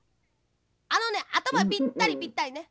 あのねあたまぴったりぴったりね。